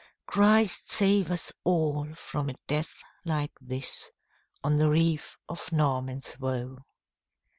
Christ save us all from a death like this, On the reef of Norman's Woe!